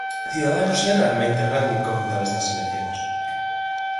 Ciudadanos é realmente a grande incógnita destas eleccións.